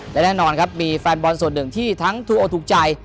และแน่นอนครับมีแฟนบอลส่วนหนึ่งที่ทั้งถูกโอถูกใจ